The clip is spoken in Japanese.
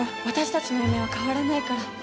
私たちの夢は変わらないから。